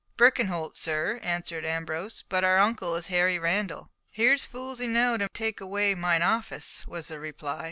"Birkenholt, sir," answered Ambrose, "but our uncle is Harry Randall." "Here's fools enow to take away mine office," was the reply.